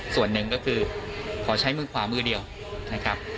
ส่วนหนึ่งก็คือขอใช้มือขวามือเดียวนะครับ